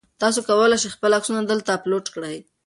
تاسي کولای شئ خپل عکسونه دلته اپلوډ کړئ.